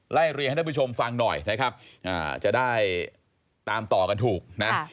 ไล่เรียงให้ท่านผู้ชมฟังหน่อยนะครับจะได้ตามต่อกันถูกนะ